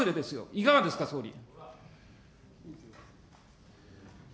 いかがですか、総理。